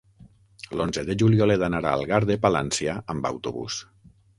L'onze de juliol he d'anar a Algar de Palància amb autobús.